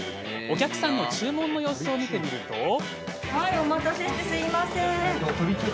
お客さんの注文の様子を見てみると。